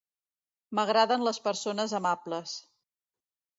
M'agraden les persones amables.